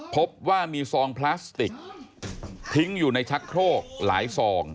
พบว่ามีซองพลาสติกทิ้งอยู่ในชักโครกหลายซอง